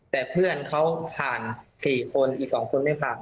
แต่เพื่อนเขาผ่าน๔คนอีก๒คนไม่ผ่าน